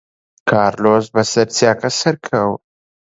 کارلۆس بەسەر چیاکە سەرکەوت.